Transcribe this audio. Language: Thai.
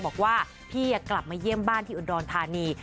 บอกว่าพี่กลับมาเยี่ยมบ้านที่อุดรธานี